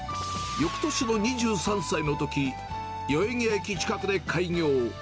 よくとしの２３歳のとき、代々木駅近くで開業。